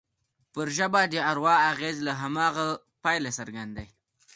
پر ژبه د اروا اغېز له هماغه پیله څرګند دی